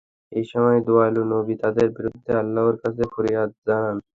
এই সময় দয়ালু নবী তাদের বিরুদ্ধে আল্লাহর কাছে ফরিয়াদ জানান।